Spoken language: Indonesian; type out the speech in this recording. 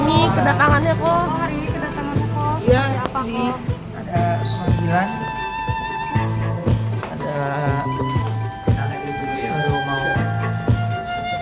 ya sabar ya sabar ya sabar hari ini kedekangannya kok